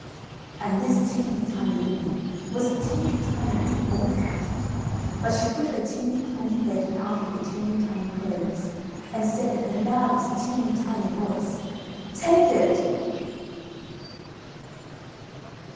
And this teeny tiny woman was a teeny tiny bit more frightened, but she put her teeny tiny head out of the teeny tiny clothes, and said in her loudest teeny tiny voice, "TAKE IT!"